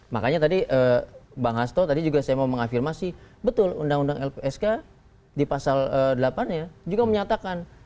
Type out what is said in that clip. makanya tadi bang hasto tadi juga saya mau mengafirmasi betul undang undang lpsk di pasal delapan nya juga menyatakan